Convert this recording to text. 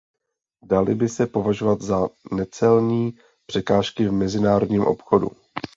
Daly by se považovat za necelní překážky v mezinárodním obchodu.